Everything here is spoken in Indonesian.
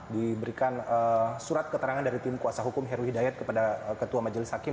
diberikan surat keterangan dari tim kuasa hukum heru hidayat kepada ketua majelis hakim